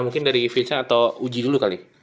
mungkin dari vincen atau uji dulu kali